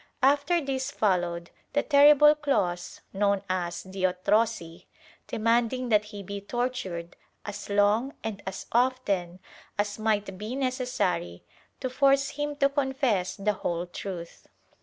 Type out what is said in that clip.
After this followed the terrible clause, known as the Otrosi, demanding that he be tortured as long and as often as might be necessary to force him to confess the whole truth.